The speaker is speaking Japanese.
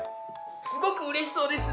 すごくうれしそうですね。